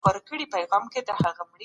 ځوړند